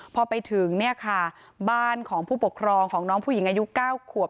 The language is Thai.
พอไปถึงเนี่ยค่ะบ้านของผู้ปกครองของน้องผู้หญิงอายุ๙ขวบ